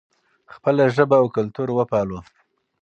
خپله ژبه او کلتور وپالو.